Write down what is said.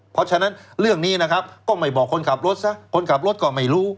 เพราะฉะนั้นเรื่องนี้นะครับก็ไม่บอกคนขับรถซะคนขับรถก็ไม่รู้